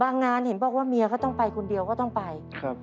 งานเห็นบอกว่าเมียก็ต้องไปคนเดียวก็ต้องไป